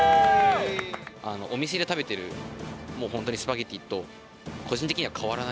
お店で食べてるスパゲティーと個人的には変わらないなと。